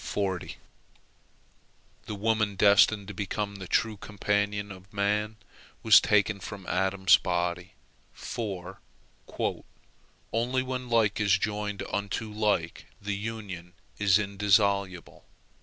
The woman destined to become the true companion of man was taken from Adam's body, for "only when like is joined unto like the union is indissoluble."